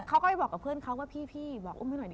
เขาก็ไปบอกกับเพื่อนเขาว่าพี่บอกอุ้มให้หน่อยดิ